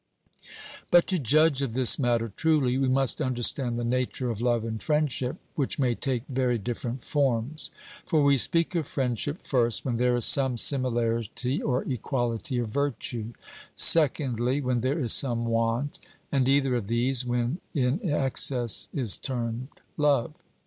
But to judge of this matter truly, we must understand the nature of love and friendship, which may take very different forms. For we speak of friendship, first, when there is some similarity or equality of virtue; secondly, when there is some want; and either of these, when in excess, is termed love.